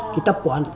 cái tập quản